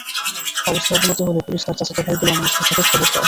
অবস্থার অবনতি হলে পুলিশ তাঁর চাচাতো ভাই গোলাম মোস্তফাকে খবর দেয়।